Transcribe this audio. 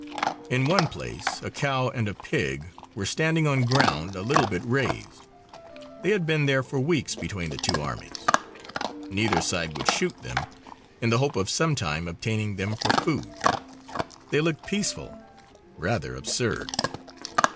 In one place a cow and a pig were standing on ground a little bit raised. They had been there for weeks between the two armies. Neither side would shoot them, in the hope of some time obtaining them for food. They looked peaceful, rather absurd.